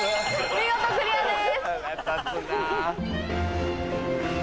見事クリアです。